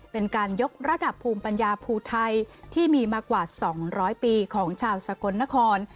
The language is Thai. เป็นการยกระดับภูมิปัญญาภูไทยที่มีมากว่า๒๐๐ปีของชาวสกลนคร